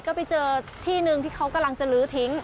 ก็ไปเจอที่หนึ่งที่เขากำลังจะลื้อทิ้ง